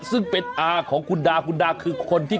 ซึ่งเป็นอาของคุณดาคุณดาคือคนที่